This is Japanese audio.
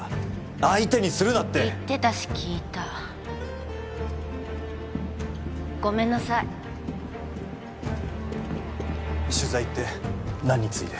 相手にするなって言ってたし聞いたごめんなさい取材って何について？